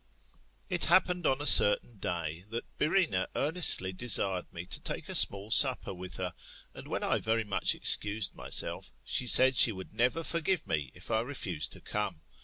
It happened on a certain day, that Byrrhsena earnestly desired me to take a small supper with her ; and when I very much excused myself, she said she would never forgive me if I refused to come.